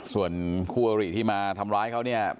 ส่วนคู่อริที่มาทำร้ายเขาเนี่ย